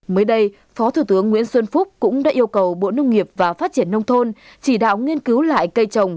mới đây phó thủ tướng nguyễn xuân phúc cũng đã yêu cầu bộ nông nghiệp và phát triển nông thôn chỉ đạo nghiên cứu lại cây trồng